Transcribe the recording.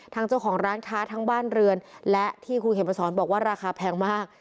เจ้าของร้านค้าทั้งบ้านเรือนและที่คุณเข็มมาสอนบอกว่าราคาแพงมาก